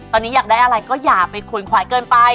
ตอนนี้อยากได้อะไรก็อย่าไปขนขวายเกินไป